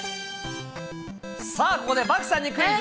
さあ、ここで漠さんにクイズ。